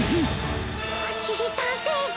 おしりたんていさん。